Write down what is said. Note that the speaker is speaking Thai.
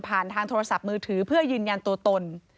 ทางโทรศัพท์มือถือเพื่อยืนยันตัวตน